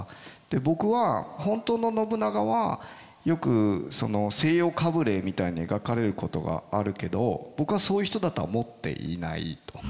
僕は本当の信長はよく西洋かぶれみたいに描かれることがあるけど僕はそういう人だと思っていないと。